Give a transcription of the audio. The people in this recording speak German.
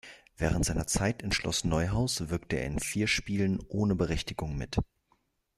Während seiner Zeit in Schloß Neuhaus wirkte er in vier Spielen ohne Berechtigung mit.